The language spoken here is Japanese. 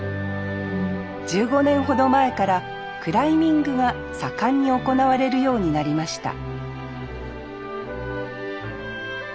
１５年ほど前からクライミングが盛んに行われるようになりました